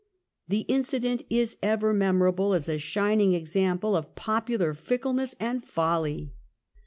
The incident is ever memorable as a shining example of popular fickleness and folly.